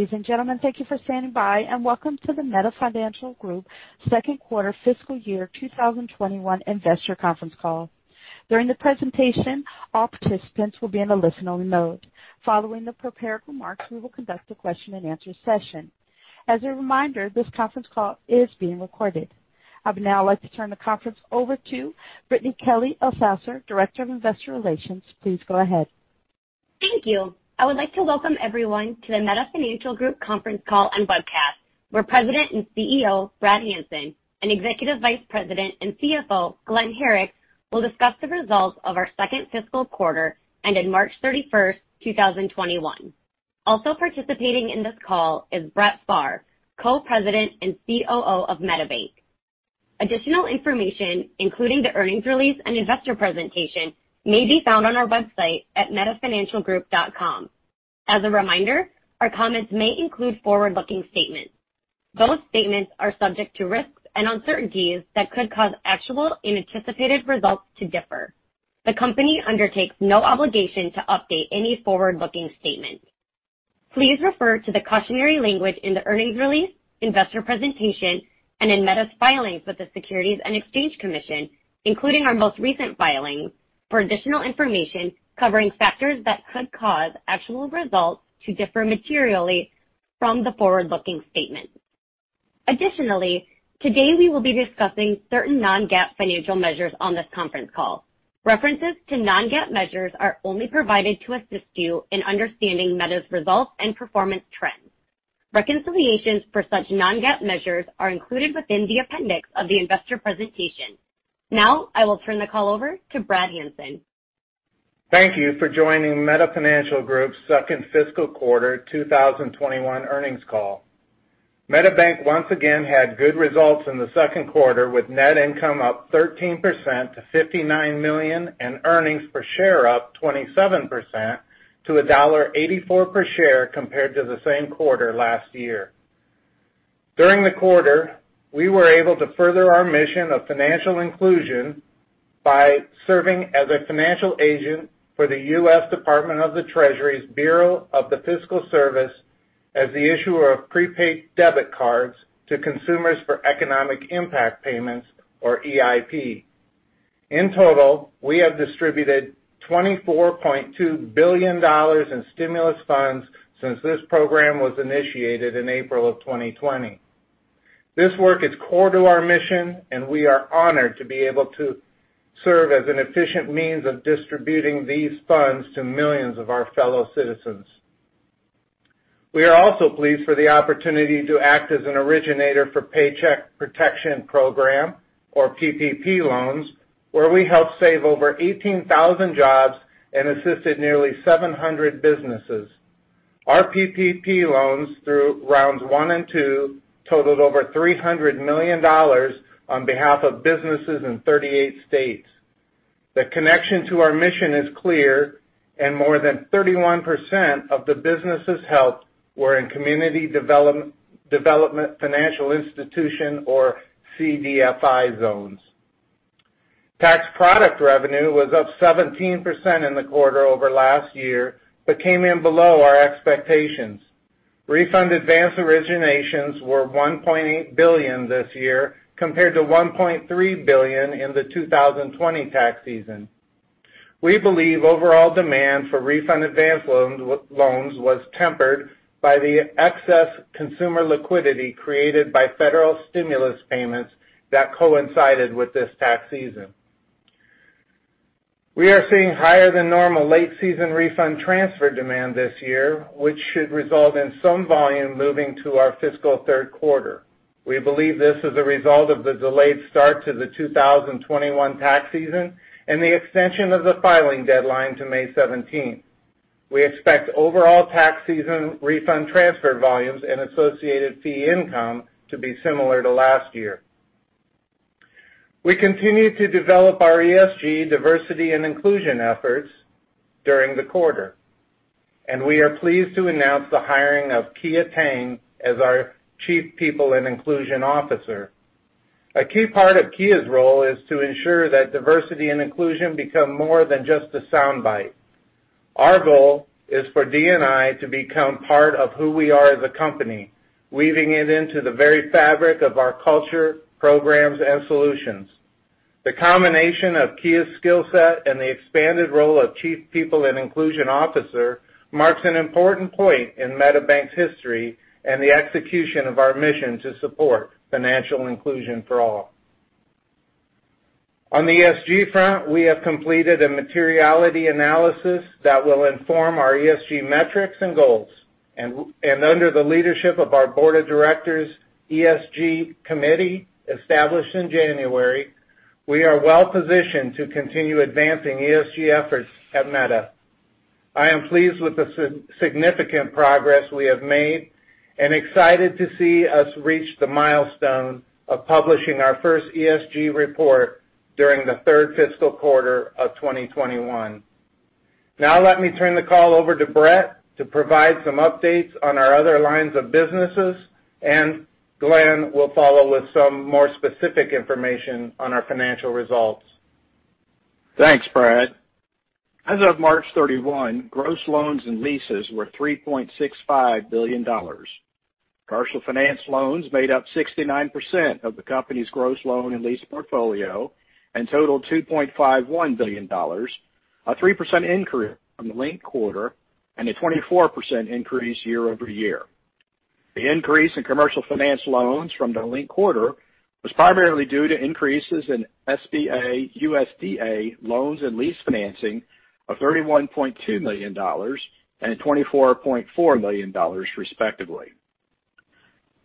Ladies and gentlemen, thank you for standing by, and welcome to the Meta Financial Group second quarter fiscal year 2021 investor conference call. During the presentation, all participants will be in a listening mode. Following the prepared remarks, we will conduct a question and answer session. As a reminder, this conference call is being recorded. I would now like to turn the conference over to Brittany Kelley Elsasser, Director of Investor Relations. Please go ahead. Thank you. I would like to welcome everyone to the Meta Financial Group conference call and webcast, where President and CEO, Brad Hanson, and Executive Vice President and CFO, Glen Herrick, will discuss the results of our second fiscal quarter ended March 31st, 2021. Also participating in this call is Brett Pharr, Co-President and COO of MetaBank. Additional information, including the earnings release and investor presentation, may be found on our website at metafinancialgroup.com. As a reminder, our comments may include forward-looking statements. Those statements are subject to risks and uncertainties that could cause actual and anticipated results to differ. The company undertakes no obligation to update any forward-looking statements. Please refer to the cautionary language in the earnings release, investor presentation, and in Meta's filings with the Securities and Exchange Commission, including our most recent filings for additional information covering factors that could cause actual results to differ materially from the forward-looking statements. Additionally, today we will be discussing certain non-GAAP financial measures on this conference call. References to non-GAAP measures are only provided to assist you in understanding Meta's results and performance trends. Reconciliations for such non-GAAP measures are included within the appendix of the investor presentation. Now, I will turn the call over to Brad Hanson. Thank you for joining Meta Financial Group's second fiscal quarter 2021 earnings call. MetaBank once again had good results in the second quarter, with net income up 13% to $59 million, and earnings per share up 27% to $1.84 per share compared to the same quarter last year. During the quarter, we were able to further our mission of financial inclusion by serving as a financial agent for the U.S. Department of the Treasury's Bureau of the Fiscal Service as the issuer of prepaid debit cards to consumers for Economic Impact Payments, or EIP. In total, we have distributed $24.2 billion in stimulus funds since this program was initiated in April of 2020. This work is core to our mission, and we are honored to be able to serve as an efficient means of distributing these funds to millions of our fellow citizens. We are also pleased for the opportunity to act as an originator for Paycheck Protection Program, or PPP loans, where we helped save over 18,000 jobs and assisted nearly 700 businesses. Our PPP loans through rounds 1 and 2 totaled over $300 million on behalf of businesses in 38 states. The connection to our mission is clear, and more than 31% of the businesses helped were in community development financial institution, or CDFI zones. Tax product revenue was up 17% in the quarter over last year but came in below our expectations. Refund advance originations were $1.8 billion this year compared to $1.3 billion in the 2020 tax season. We believe overall demand for refund advance loans was tempered by the excess consumer liquidity created by federal stimulus payments that coincided with this tax season. We are seeing higher than normal late season refund transfer demand this year, which should result in some volume moving to our fiscal third quarter. We believe this is a result of the delayed start to the 2021 tax season and the extension of the filing deadline to May 17th. We expect overall tax season refund transfer volumes and associated fee income to be similar to last year. We continue to develop our ESG diversity and inclusion efforts during the quarter, and we are pleased to announce the hiring of Kia Tang as our Chief People and Inclusion Officer. A key part of Kia's role is to ensure that diversity and inclusion become more than just a soundbite. Our goal is for D&I to become part of who we are as a company, weaving it into the very fabric of our culture, programs, and solutions. The combination of Kia's skill set and the expanded role of Chief People and Inclusion Officer marks an important point in MetaBank's history and the execution of our mission to support financial inclusion for all. On the ESG front, we have completed a materiality analysis that will inform our ESG metrics and goals. Under the leadership of our board of directors' ESG committee established in January, we are well positioned to continue advancing ESG efforts at Meta. I am pleased with the significant progress we have made and excited to see us reach the milestone of publishing our first ESG report during the third fiscal quarter of 2021. Let me turn the call over to Brett to provide some updates on our other lines of businesses, and Glen will follow with some more specific information on our financial results. Thanks, Brad. As of March 31, gross loans and leases were $3.65 billion. Commercial finance loans made up 69% of the company's gross loan and lease portfolio and totaled $2.51 billion, a 3% increase from the linked quarter and a 24% increase year-over-year. The increase in commercial finance loans from the linked quarter was primarily due to increases in SBA, USDA loans and lease financing of $31.2 million and $24.4 million, respectively.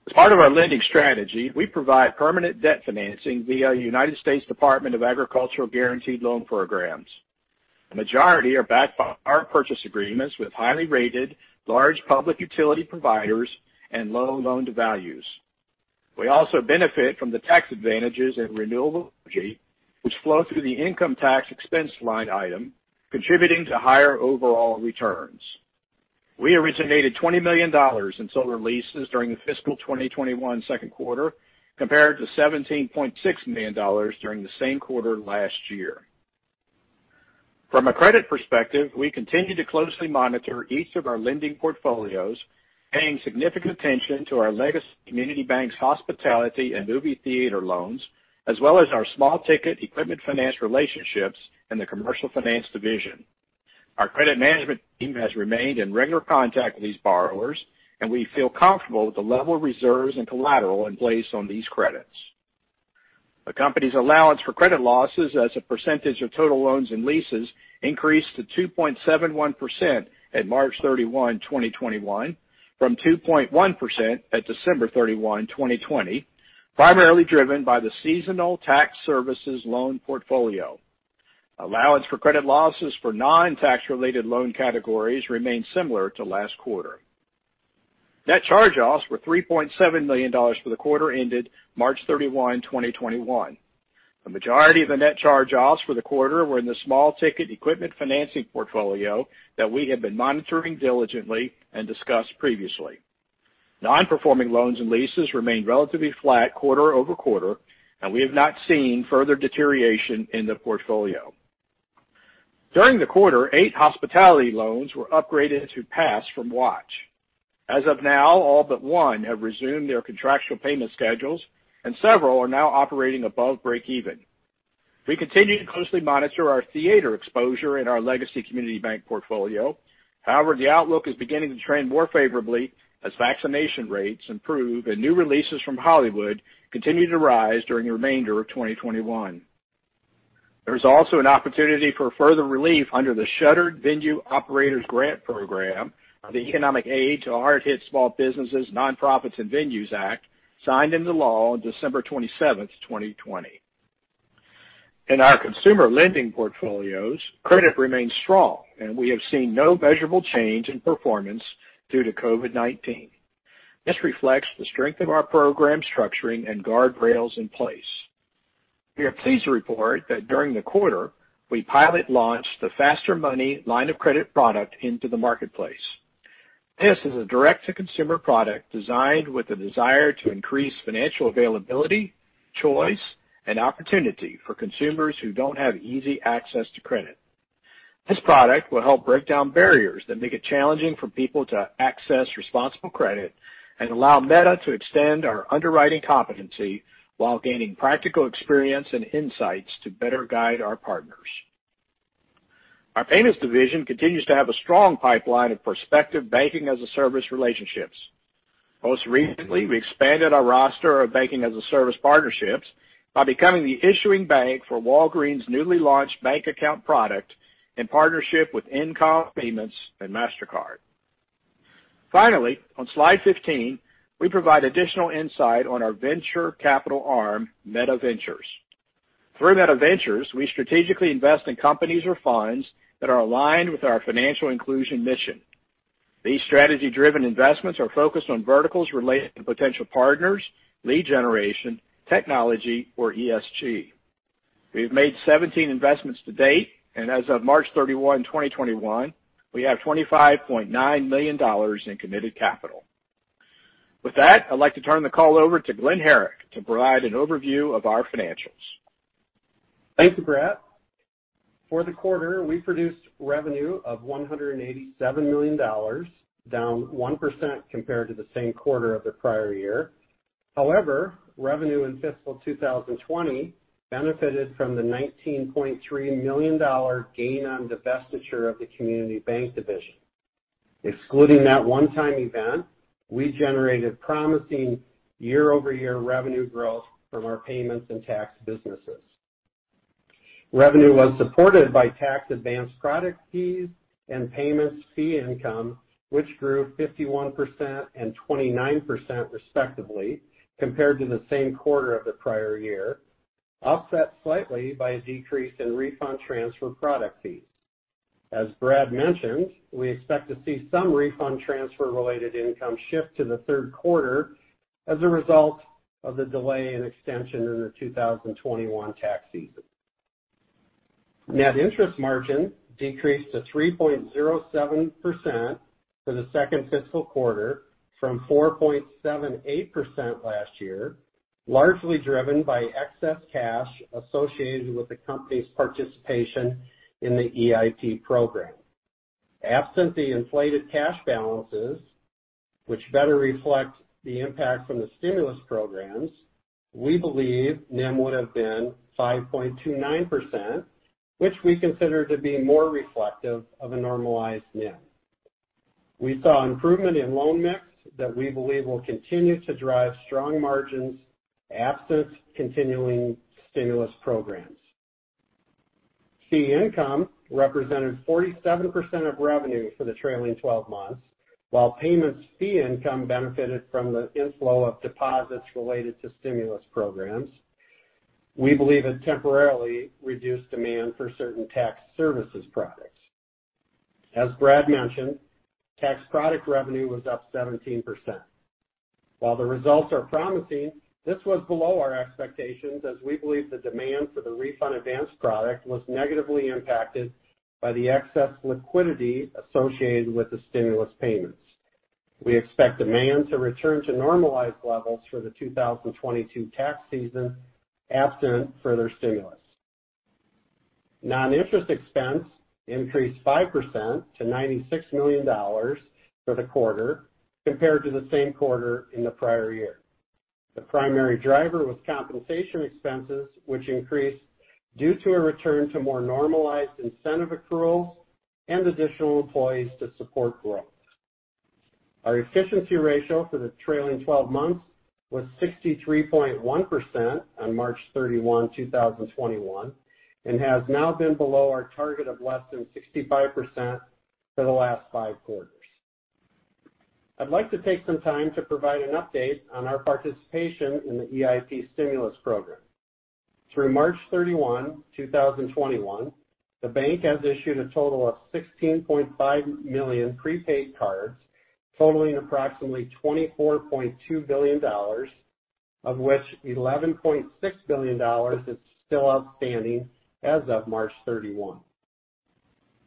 As part of our lending strategy, we provide permanent debt financing via United States Department of Agriculture guaranteed loan programs. The majority are backed by power purchase agreements with highly rated large public utility providers and low loan-to-values. We also benefit from the tax advantages in renewable energy, which flow through the income tax expense line item, contributing to higher overall returns. We originated $20 million in solar leases during the fiscal 2021 second quarter compared to $17.6 million during the same quarter last year. From a credit perspective, we continue to closely monitor each of our lending portfolios, paying significant attention to our legacy community bank's hospitality and movie theater loans, as well as our small-ticket equipment finance relationships in the commercial finance division. Our credit management team has remained in regular contact with these borrowers, and we feel comfortable with the level of reserves and collateral in place on these credits. The company's allowance for credit losses as a percentage of total loans and leases increased to 2.71% at March 31, 2021, from 2.1% at December 31, 2020, primarily driven by the seasonal tax services loan portfolio. Allowance for credit losses for non-tax related loan categories remained similar to last quarter. Net charge-offs were $3.7 million for the quarter ended March 31, 2021. The majority of the net charge-offs for the quarter were in the small-ticket equipment financing portfolio that we have been monitoring diligently and discussed previously. Non-performing loans and leases remained relatively flat quarter-over-quarter, and we have not seen further deterioration in the portfolio. During the quarter, eight hospitality loans were upgraded to pass from watch. As of now, all but one have resumed their contractual payment schedules, and several are now operating above breakeven. We continue to closely monitor our theater exposure in our legacy community bank portfolio. However, the outlook is beginning to trend more favorably as vaccination rates improve and new releases from Hollywood continue to rise during the remainder of 2021. There is also an opportunity for further relief under the Shuttered Venue Operators Grant program of the Economic Aid to Hard-Hit Small Businesses, Nonprofits, and Venues Act, signed into law on December 27th, 2020. In our consumer lending portfolios, credit remains strong, and we have seen no measurable change in performance due to COVID-19. This reflects the strength of our program structuring and guardrails in place. We are pleased to report that during the quarter, we pilot launched the FasterMoney line of credit product into the marketplace. This is a direct-to-consumer product designed with the desire to increase financial availability, choice, and opportunity for consumers who don't have easy access to credit. This product will help break down barriers that make it challenging for people to access responsible credit and allow Meta to extend our underwriting competency while gaining practical experience and insights to better guide our partners. Our payments division continues to have a strong pipeline of prospective banking-as-a-service relationships. Most recently, we expanded our roster of banking-as-a-service partnerships by becoming the issuing bank for Walgreens' newly launched bank account product in partnership with InComm Payments and Mastercard. Finally, on slide 15, we provide additional insight on our venture capital arm, Meta Ventures. Through Meta Ventures, we strategically invest in companies or funds that are aligned with our financial inclusion mission. These strategy-driven investments are focused on verticals related to potential partners, lead generation, technology, or ESG. We have made 17 investments to date, and as of March 31, 2021, we have $25.9 million in committed capital. With that, I'd like to turn the call over to Glen Herrick to provide an overview of our financials. Thank you, Brad. For the quarter, we produced revenue of $187 million, down 1% compared to the same quarter of the prior year. However, revenue in fiscal 2020 benefited from the $19.3 million gain on divestiture of the community bank division. Excluding that one-time event, we generated promising year-over-year revenue growth from our payments and tax businesses. Revenue was supported by tax advance product fees and payments fee income, which grew 51% and 29%, respectively, compared to the same quarter of the prior year, offset slightly by a decrease in refund transfer product fees. As Brad mentioned, we expect to see some refund transfer-related income shift to the third quarter as a result of the delay in extension in the 2021 tax season. Net interest margin decreased to 3.07% for the second fiscal quarter from 4.78% last year. Largely driven by excess cash associated with the company's participation in the EIP program. Absent the inflated cash balances, which better reflect the impact from the stimulus programs, we believe NIM would've been 5.29%, which we consider to be more reflective of a normalized NIM. We saw improvement in loan mix that we believe will continue to drive strong margins absent continuing stimulus programs. Fee income represented 47% of revenue for the trailing 12 months. While payments fee income benefited from the inflow of deposits related to stimulus programs, we believe it temporarily reduced demand for certain tax services products. As Brad mentioned, tax product revenue was up 17%. While the results are promising, this was below our expectations as we believe the demand for the refund advance product was negatively impacted by the excess liquidity associated with the stimulus payments. We expect demand to return to normalized levels for the 2022 tax season absent further stimulus. Non-interest expense increased 5% to $96 million for the quarter compared to the same quarter in the prior year. The primary driver was compensation expenses, which increased due to a return to more normalized incentive accruals and additional employees to support growth. Our efficiency ratio for the trailing 12 months was 63.1% on March 31, 2021, and has now been below our target of less than 65% for the last five quarters. I'd like to take some time to provide an update on our participation in the EIP stimulus program. Through March 31, 2021, the bank has issued a total of 16.5 million prepaid cards totaling approximately $24.2 billion, of which $11.6 billion is still outstanding as of March 31.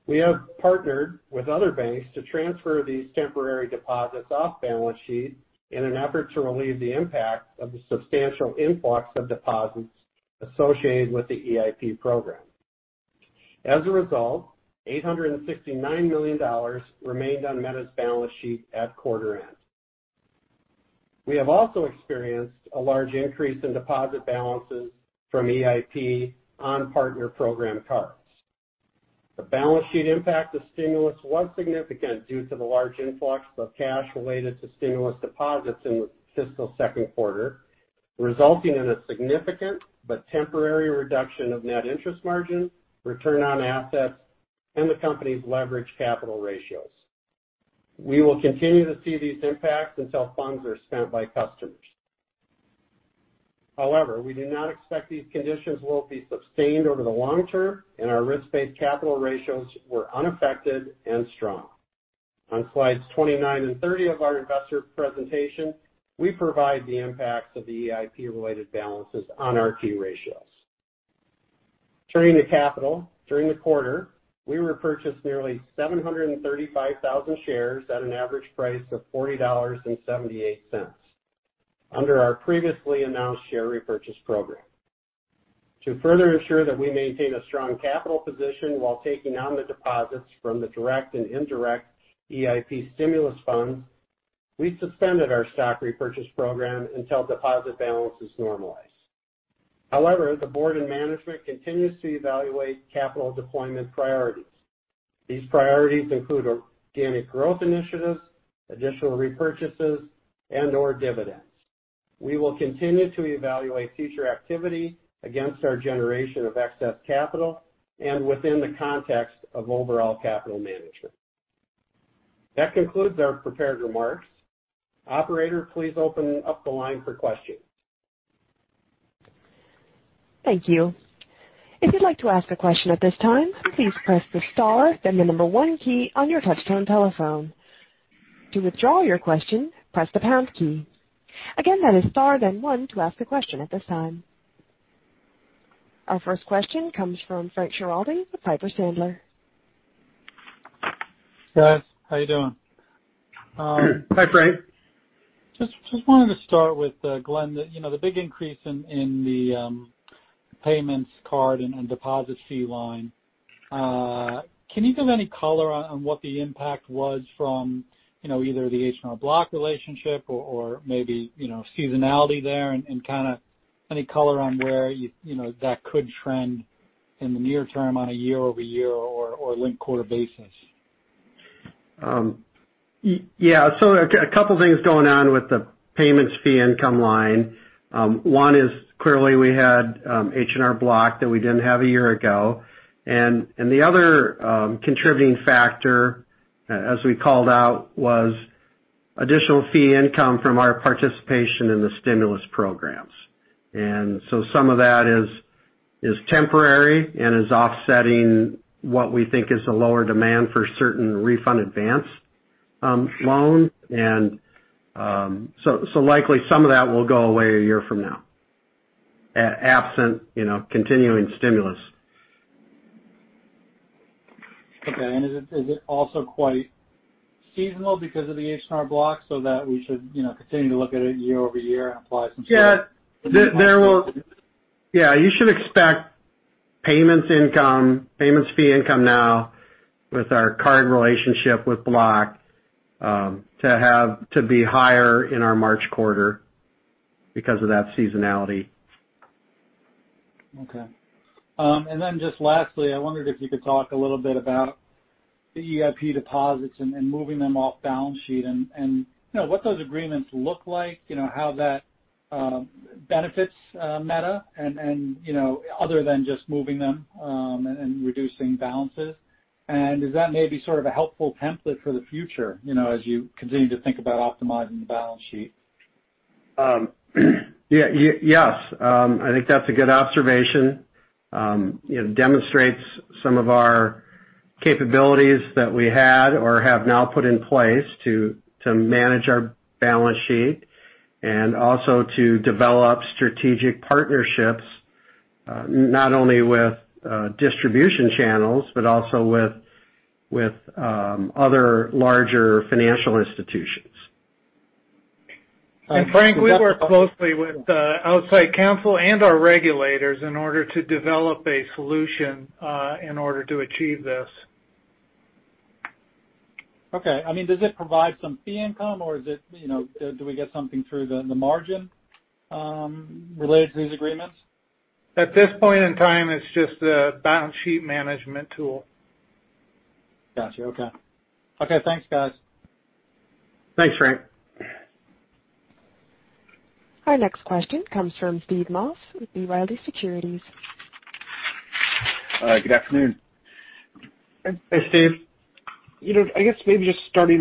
We have partnered with other banks to transfer these temporary deposits off balance sheet in an effort to relieve the impact of the substantial influx of deposits associated with the EIP program. As a result, $869 million remained on Meta's balance sheet at quarter end. We have also experienced a large increase in deposit balances from EIP on partner program cards. The balance sheet impact of stimulus was significant due to the large influx of cash related to stimulus deposits in the fiscal second quarter, resulting in a significant but temporary reduction of net interest margin, return on assets, and the company's leverage capital ratios. We will continue to see these impacts until funds are spent by customers. We do not expect these conditions will be sustained over the long term, and our risk-based capital ratios were unaffected and strong. On slides 29 and 30 of our investor presentation, we provide the impacts of the EIP-related balances on our key ratios. Turning to capital. During the quarter, we repurchased nearly 735,000 shares at an average price of $40.78 under our previously announced share repurchase program. To further ensure that we maintain a strong capital position while taking on the deposits from the direct and indirect EIP stimulus funds, we suspended our stock repurchase program until deposit balances normalize. The board and management continues to evaluate capital deployment priorities. These priorities include organic growth initiatives, additional repurchases, and/or dividends. We will continue to evaluate future activity against our generation of excess capital and within the context of overall capital management. That concludes our prepared remarks. Operator, please open up the line for questions. Thank you. If you'd like to ask a question at this time, please press the star then the number one key on your touchtone telephone. To withdraw your question, press the pound key. Again, that is star, then one to ask a question at this time. Our first question comes from Frank Schiraldi with Piper Sandler. Guys, how you doing? Hi, Frank. Just wanted to start with, Glen, the big increase in the payments card and deposit fee line. Can you give any color on what the impact was from either the H&R Block relationship or maybe seasonality there, and kind of any color on where that could trend in the near term on a year-over-year or linked quarter basis? Yeah. A couple things going on with the payments fee income line. One is clearly we had H&R Block that we didn't have a year ago. The other contributing factor, as we called out, was additional fee income from our participation in the stimulus programs. Some of that is temporary and is offsetting what we think is a lower demand for certain refund advance loans. Likely some of that will go away a year from now, absent continuing stimulus. Okay. Is it also quite seasonal because of the H&R Block so that we should continue to look at it year-over-year and apply some-? Yeah. You should expect payments fee income now with our card relationship with Block to be higher in our March quarter because of that seasonality. Okay. Just lastly, I wondered if you could talk a little bit about the EIP deposits and moving them off balance sheet and what those agreements look like, how that benefits Meta other than just moving them and reducing balances. Is that maybe sort of a helpful template for the future as you continue to think about optimizing the balance sheet? Yes. I think that's a good observation. It demonstrates some of our capabilities that we had or have now put in place to manage our balance sheet, and also to develop strategic partnerships, not only with distribution channels, but also with other larger financial institutions. Frank, we work closely with outside counsel and our regulators in order to develop a solution in order to achieve this. Okay. Does it provide some fee income or do we get something through the margin related to these agreements? At this point in time, it's just a balance sheet management tool. Got you. Okay. Okay, thanks, guys. Thanks, Frank. Our next question comes from Steve Moss with B. Riley Securities. Good afternoon. Hey, Steve. I guess maybe just starting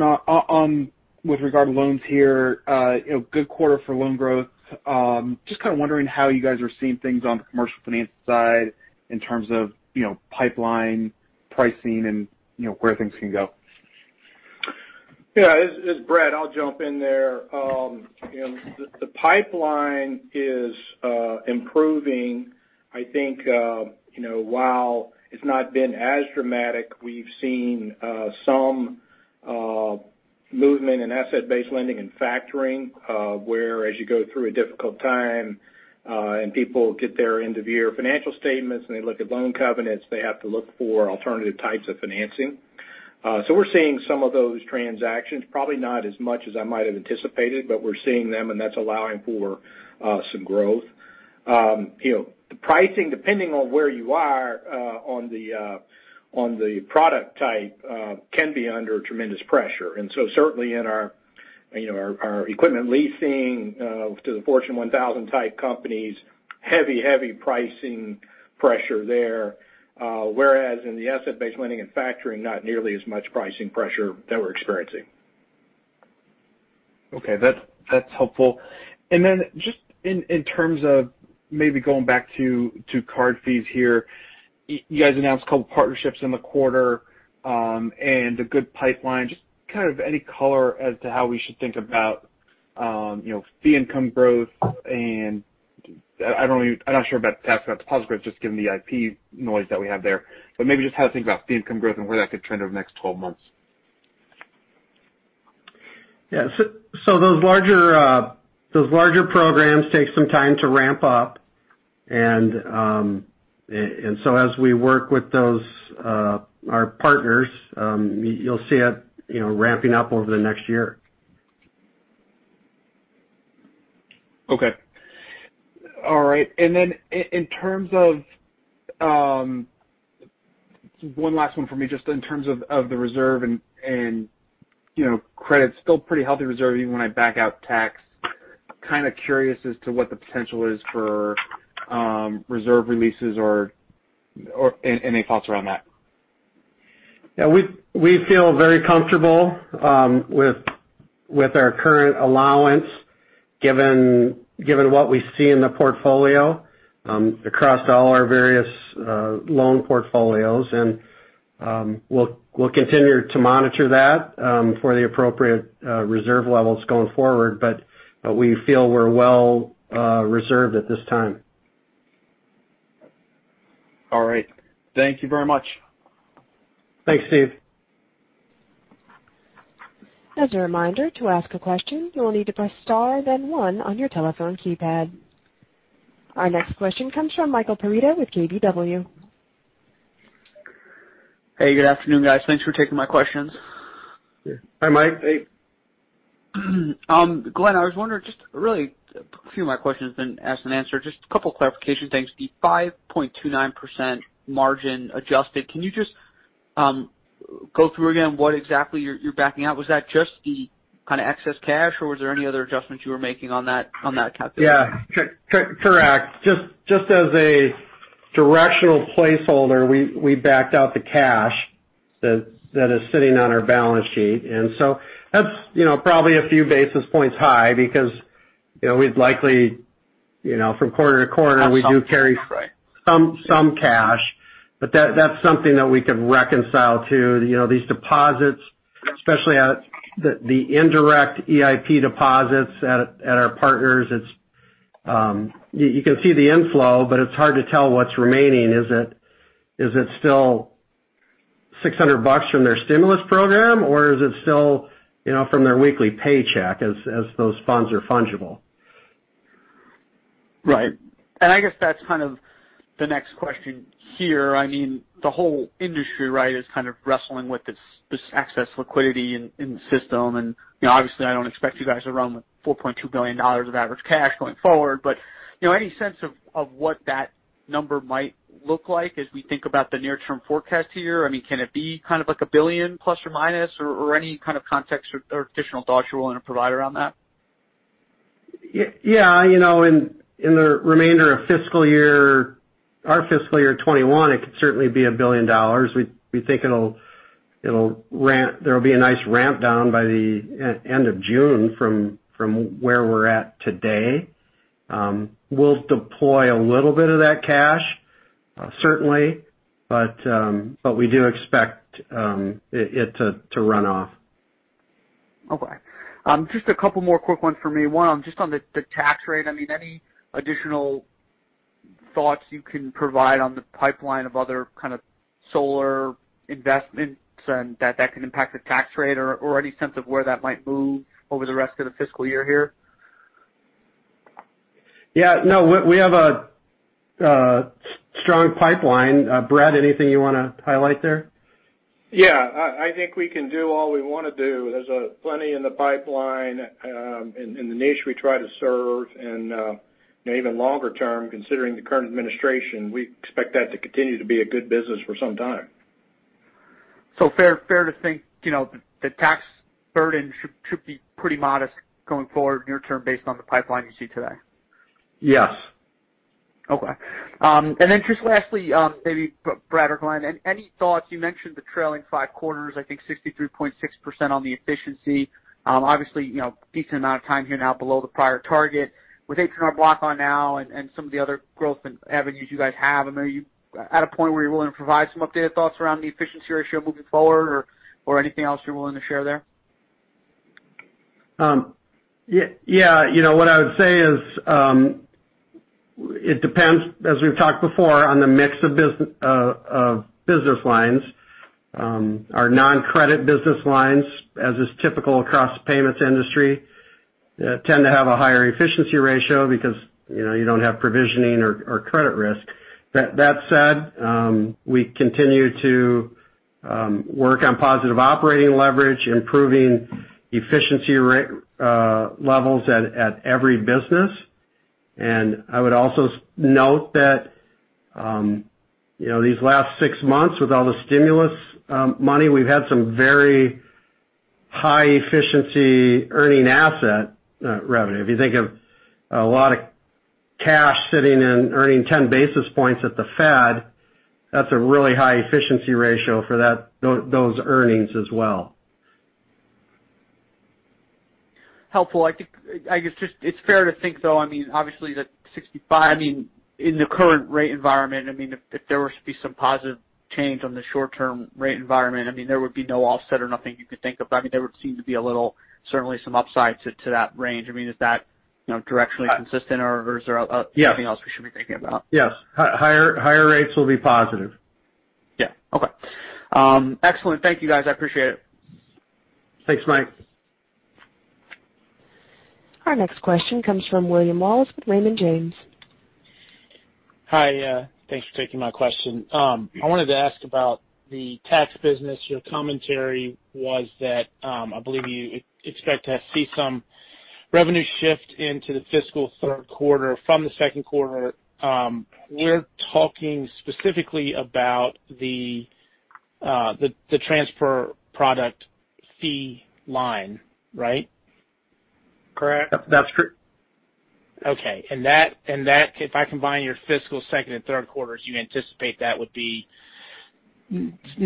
with regard to loans here. Good quarter for loan growth. Just kind of wondering how you guys are seeing things on the commercial finance side in terms of pipeline pricing and where things can go. Yeah. This is Brad. I'll jump in there. The pipeline is improving. I think while it's not been as dramatic, we've seen some movement in asset-based lending and factoring, where as you go through a difficult time and people get their end-of-year financial statements and they look at loan covenants, they have to look for alternative types of financing. We're seeing some of those transactions, probably not as much as I might have anticipated, but we're seeing them, and that's allowing for some growth. The pricing, depending on where you are on the product type, can be under tremendous pressure. Certainly in our equipment leasing to the Fortune 1000 type companies, heavy pricing pressure there. Whereas in the asset-based lending and factoring, not nearly as much pricing pressure that we're experiencing. Okay. That's helpful. Just in terms of maybe going back to card fees here, you guys announced a couple partnerships in the quarter, and a good pipeline. Just kind of any color as to how we should think about fee income growth and I'm not sure about tax deposit growth just given the EIP noise that we have there, but maybe just how to think about fee income growth and where that could trend over the next 12 months. Yeah. Those larger programs take some time to ramp up, and so as we work with our partners, you'll see it ramping up over the next year. Okay. All right. One last one from me, just in terms of the reserve and credit. Still pretty healthy reserve even when I back out tax. Kind of curious as to what the potential is for reserve releases or any thoughts around that. Yeah. We feel very comfortable with our current allowance given what we see in the portfolio across all our various loan portfolios. We'll continue to monitor that for the appropriate reserve levels going forward. We feel we're well reserved at this time. All right. Thank you very much. Thanks, Steve. As a reminder, to ask a question, you will need to press star then one on your telephone keypad. Our next question comes from Michael Perito with KBW. Hey, good afternoon, guys. Thanks for taking my questions. Hi, Mike. Glen, I was wondering just really a few of my questions been asked and answered. Just a couple clarification things. The 5.29% margin adjusted. Can you just go through again what exactly you're backing out? Was that just the kind of excess cash, or was there any other adjustments you were making on that calculation? Yeah. Correct. Just as a directional placeholder, we backed out the cash that is sitting on our balance sheet. That's probably a few basis points high because we'd likely from quarter to quarter. Have some cash. We do carry some cash. That's something that we could reconcile to these deposits, especially the indirect EIP deposits at our partners. You can see the inflow, but it's hard to tell what's remaining. Is it still $600 from their stimulus program, or is it still from their weekly paycheck as those funds are fungible? Right. I guess that's kind of the next question here. The whole industry is kind of wrestling with this excess liquidity in the system. Obviously I don't expect you guys to run with $4.2 billion of average cash going forward, but any sense of what that number might look like as we think about the near-term forecast here? Can it be kind of like $1 billion plus or minus or any kind of context or additional thoughts you're willing to provide around that? Yeah. In the remainder of our fiscal year 2021, it could certainly be $1 billion. We think there'll be a nice ramp down by the end of June from where we're at today. We'll deploy a little bit of that cash, certainly, but we do expect it to run off. Okay. Just a couple more quick ones for me. One, just on the tax rate. Any additional thoughts you can provide on the pipeline of other kind of solar investments and that can impact the tax rate or any sense of where that might move over the rest of the fiscal year here? Yeah, no, we have a strong pipeline. Brad, anything you want to highlight there? Yeah. I think we can do all we want to do. There's plenty in the pipeline, in the niche we try to serve. Even longer term, considering the current administration, we expect that to continue to be a good business for some time. Fair to think the tax burden should be pretty modest going forward near-term based on the pipeline you see today? Yes. Okay. Just lastly, maybe Brad or Glen, any thoughts, you mentioned the trailing five quarters, I think 63.6% on the efficiency? Obviously, decent amount of time here now below the prior target with H&R Block on now and some of the other growth avenues you guys have. Are you at a point where you're willing to provide some updated thoughts around the efficiency ratio moving forward or anything else you're willing to share there? Yeah. What I would say is it depends, as we've talked before, on the mix of business lines. Our non-credit business lines, as is typical across the payments industry tend to have a higher efficiency ratio because you don't have provisioning or credit risk. That said, we continue to work on positive operating leverage, improving efficiency levels at every business. I would also note that these last 6 months, with all the stimulus money, we've had some very high efficiency earning asset revenue. If you think of a lot of cash sitting and earning 10 basis points at the Fed, that's a really high efficiency ratio for those earnings as well. Helpful. I guess it's fair to think, though, obviously that 65 in the current rate environment, if there were to be some positive change on the short-term rate environment, there would be no offset or nothing you could think of. There would seem to be a little, certainly some upside to that range. Is that directionally consistent or is there anything else we should be thinking about? Yes. Higher rates will be positive. Yeah. Okay. Excellent. Thank you guys, I appreciate it. Thanks, Mike. Our next question comes from William Wallace with Raymond James. Hi. Thanks for taking my question. I wanted to ask about the tax business. Your commentary was that, I believe you expect to see some revenue shift into the fiscal third quarter from the second quarter. We're talking specifically about the transfer product fee line, right? Correct? That's true. Okay. That, if I combine your fiscal second and third quarters, you anticipate that would be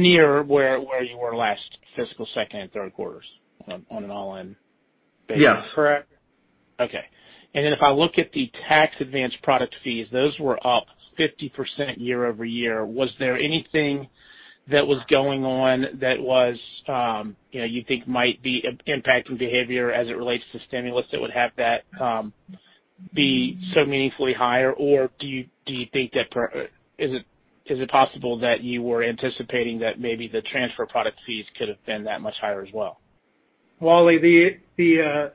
near where you were last fiscal second and third quarters on an all-in basis- Yeah correct? Okay. If I look at the tax advance product fees, those were up 50% year-over-year. Was there anything that was going on that you think might be impacting behavior as it relates to stimulus that would have that be so meaningfully higher? Is it possible that you were anticipating that maybe the transfer product fees could have been that much higher as well? Wally, that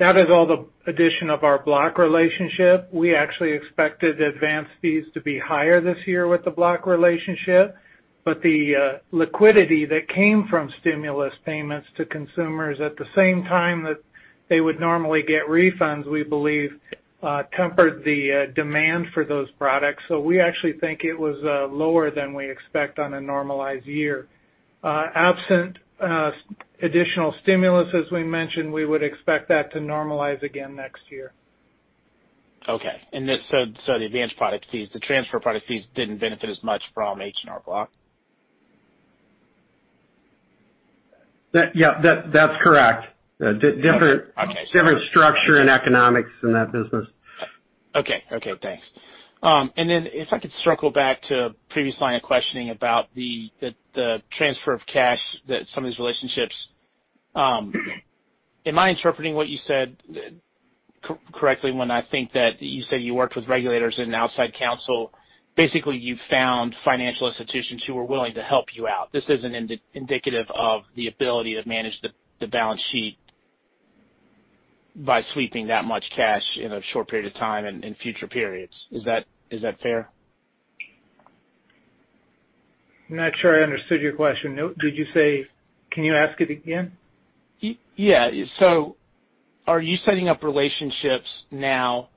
is all the addition of our Block relationship. We actually expected advance fees to be higher this year with the Block relationship. The liquidity that came from stimulus payments to consumers at the same time that they would normally get refunds, we believe tempered the demand for those products. We actually think it was lower than we expect on a normalized year. Absent additional stimulus, as we mentioned, we would expect that to normalize again next year. Okay. The advance product fees, the transfer product fees didn't benefit as much from H&R Block? Yeah, that's correct. Okay structure and economics in that business. Okay. Thanks. If I could circle back to previous line of questioning about the transfer of cash that some of these relationships? Am I interpreting what you said correctly when I think that you said you worked with regulators and outside counsel? Basically, you found financial institutions who were willing to help you out. This isn't indicative of the ability to manage the balance sheet by sweeping that much cash in a short period of time and in future periods. Is that fair? I'm not sure I understood your question. Can you ask it again? Are you setting up relationships now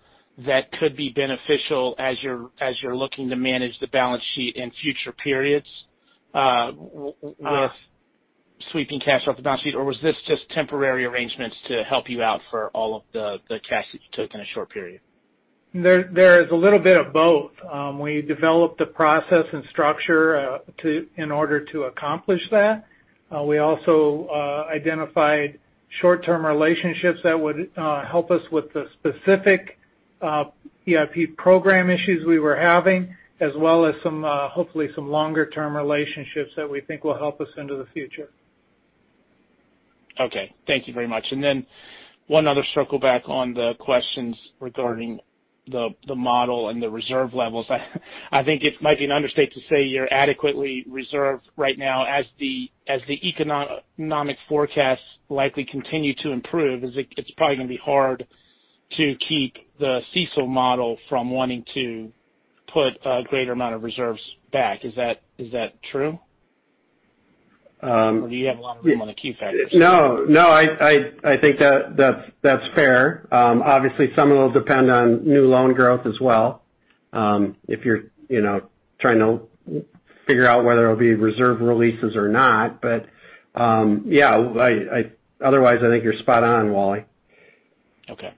that could be beneficial as you're looking to manage the balance sheet in future periods, with sweeping cash off the balance sheet, or was this just temporary arrangements to help you out for all of the cash that you took in a short period? There is a little bit of both. We developed a process and structure in order to accomplish that. We also identified short-term relationships that would help us with the specific EIP program issues we were having, as well as hopefully some longer term relationships that we think will help us into the future. Okay. Thank you very much. One other circle back on the questions regarding the model and the reserve levels. I think it might be an understatement to say you're adequately reserved right now as the economic forecasts likely continue to improve, it's probably going to be hard to keep the CECL model from wanting to put a greater amount of reserves back. Is that true? Do you have a lot of room on the key factors? No. I think that's fair. Obviously, some of it will depend on new loan growth as well. If you're trying to figure out whether it will be reserve releases or not. Yeah, otherwise, I think you are spot on, Wally. Okay.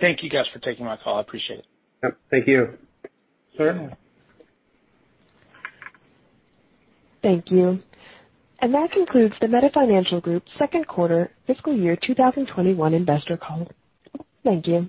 Thank you guys for taking my call. I appreciate it. Yep. Thank you. Sarah? Thank you. That concludes the Meta Financial Group second quarter fiscal year 2021 investor call. Thank you.